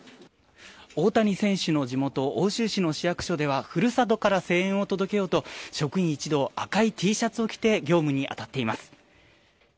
大谷選手の地元奥州市の市役所では故郷から声援を届けようと職員一同、赤いＴシャツを着て業務に当たっています。